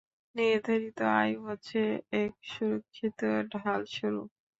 নির্ধারিত আয়ু হচ্ছে এক সুরক্ষিত ঢালস্বরূপ।